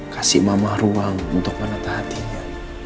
kasih mama ruang untuk menata hatinya